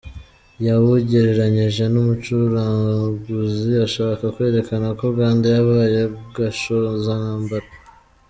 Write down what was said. Yawugereranyije n’umucuraguzi, ashaka kwerekana ko Uganda yabaye gashozantambara.